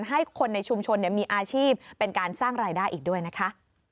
ให้คนในชุมชนมีอาชีพเป็นการสร้างรายได้อีกด้วยนะคะ